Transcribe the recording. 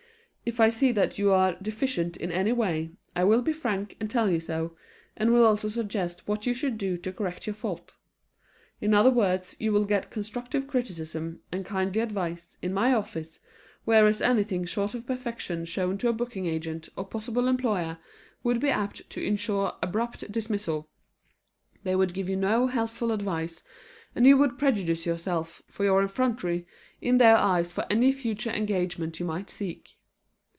If I see that you are deficient in any way, I will be frank and tell you so, and will also suggest what you should do to correct your fault. In other words, you will get constructive criticism, and kindly advice, in my office, whereas anything short of perfection shown to a booking agent or possible employer would be apt to insure abrupt dismissal. They would give you no helpful advice, and you would prejudice yourself, for your effrontery, in their eyes for any future engagement you might seek.